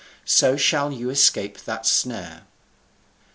So shall you escape that snare."